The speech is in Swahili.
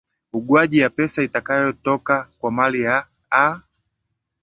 ugawaji ya pesa itakayotoka kwa mali ya aa